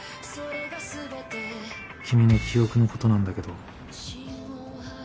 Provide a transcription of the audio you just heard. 君の記憶のことなんだけど。